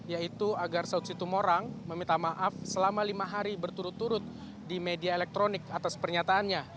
yaitu agar saud situmorang meminta maaf selama lima hari berturut turut di media elektronik atas pernyataannya